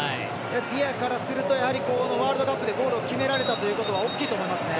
ディアからするとワールドカップでゴールを決められたということは大きいと思いますね。